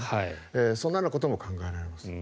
そうなることも考えられます。